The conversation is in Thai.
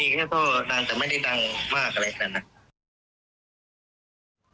มีแค่ท่อดังแต่ไม่ได้ดังมากอะไรอย่างนั้นนะ